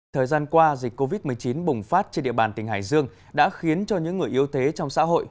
thời gian qua dịch covid một mươi chín bùng phát trên địa bàn tỉnh hải dương đã khiến cho những người yếu thế trong xã hội